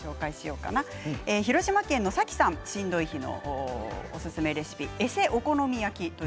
広島県の方、しんどい日のおすすめレシピエセお好み焼き。